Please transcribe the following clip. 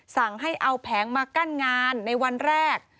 สั่งให้เอาแผงมากั้นงานในวันแรก